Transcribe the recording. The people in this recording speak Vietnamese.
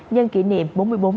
nhân kỷ niệm bốn mươi tháng bốn